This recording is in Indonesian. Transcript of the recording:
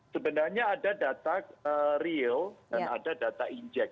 sebenarnya ada data real dan ada data injek